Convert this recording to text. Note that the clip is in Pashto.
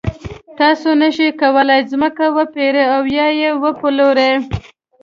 تاسو نشئ کولای ځمکه وپېرئ او یا یې وپلورئ.